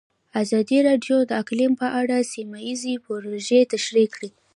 ازادي راډیو د اقلیم په اړه سیمه ییزې پروژې تشریح کړې.